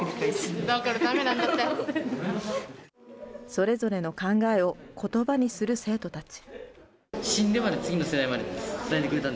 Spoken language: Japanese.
それぞれの思いをことばにする生徒たち。